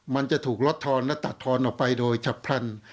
มันจะถูกลดทอนและตัดทอนออกไปโดยฉับพลัน